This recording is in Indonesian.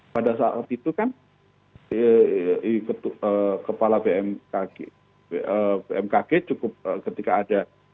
pada saat itu kan kepala bmkg cukup ketika ada